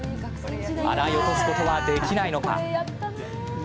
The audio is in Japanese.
洗い落とすことはできないのか。